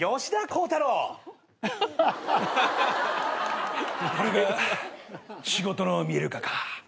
「これが仕事の見える化か」